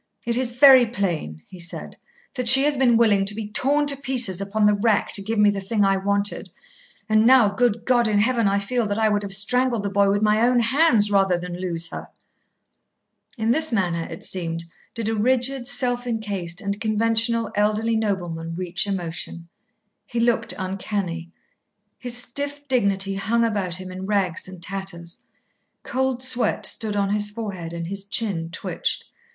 "It is very plain," he said, "that she has been willing to be torn to pieces upon the rack to give me the thing I wanted. And now, good God in heaven, I feel that I would have strangled the boy with my own hands rather than lose her." In this manner, it seemed, did a rigid, self encased, and conventional elderly nobleman reach emotion. He looked uncanny. His stiff dignity hung about him in rags and tatters. Cold sweat stood on his forehead and his chin twitched.